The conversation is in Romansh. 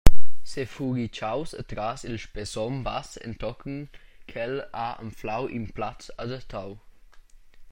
Sefuritgaus atras il spessom bass entochen ch’el ha anflau in plaz adattau.